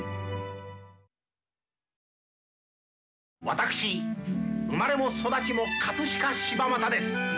私生まれも育ちも飾柴又です。